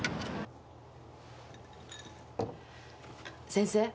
先生。